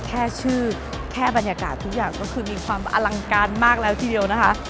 แค่ชื่อแค่บรรยากาศทุกอย่างก็คือมีความอลังการมากแล้วทีเดียวนะคะ